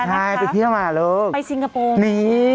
ใช่ไปเที่ยวมาลูกไปซิงคโปร์หนี